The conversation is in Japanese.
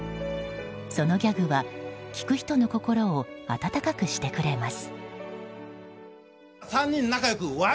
そのギャグは聞く人の心を温かくしてくれます。